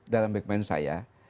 dalam backman saya